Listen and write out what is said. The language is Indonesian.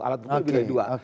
alat kebutuhan bilik dua